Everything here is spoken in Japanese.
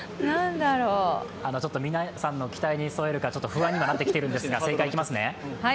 皆さんの期待にそえるか不安になっているんですが、正解行きますね。